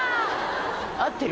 あってる？